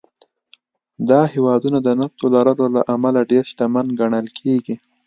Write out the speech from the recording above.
دا هېوادونه د نفتو لرلو له امله ډېر شتمن ګڼل کېږي.